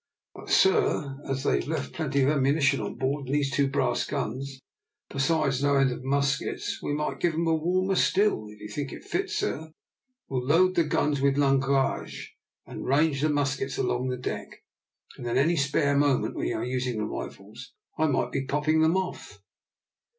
"But, sir, as they've left plenty of ammunition on board and these two brass guns, besides no end of muskets, we might give 'em a warmer still. If you think fit, sir, we'll load the guns with langrage, and range the muskets along the deck; and then any spare moment when you are using the rifles I might be popping them off."